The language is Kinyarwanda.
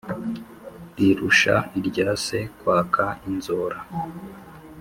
Rirusha irya se kwaka inzora.